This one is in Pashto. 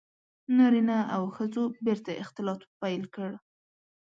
• نارینه او ښځو بېرته اختلاط پیل کړ.